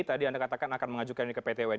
tadi anda katakan akan mengajukan ini ke pt un